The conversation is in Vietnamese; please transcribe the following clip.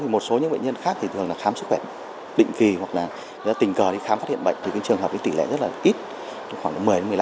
một số bệnh nhân khác thường khám sức khỏe định kỳ hoặc tình cờ khám phát hiện bệnh thì trường hợp tỷ lệ rất ít khoảng một mươi một mươi năm